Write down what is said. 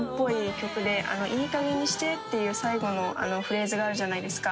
「“いいかげんにして”っていう最後のフレーズがあるじゃないですか」